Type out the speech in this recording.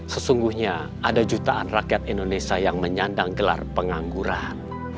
sesungguhnya ada jutaan rakyat indonesia yang menyandang gelar pengangguran